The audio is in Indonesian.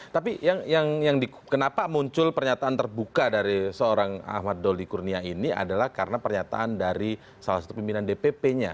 tapi yang kenapa muncul pernyataan terbuka dari seorang ahmad doli kurnia ini adalah karena pernyataan dari salah satu pimpinan dpp nya